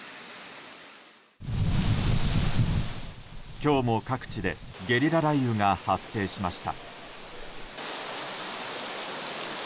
今日も各地でゲリラ雷雨が発生しました。